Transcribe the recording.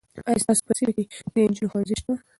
آیا ستاسو په سیمه کې د نجونو ښوونځی سته؟